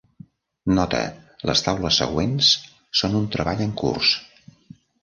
Nota: les taules següents són un treball en curs.